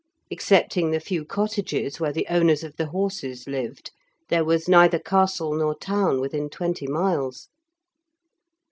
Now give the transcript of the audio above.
Excepting the few cottages where the owners of the horses lived, there was neither castle nor town within twenty miles.